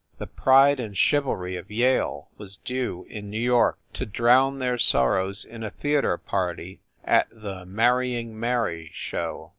The pride and chivalry of Yale was due in New York to drown their sorrows in a theater party at the "Mar rying Mary" show.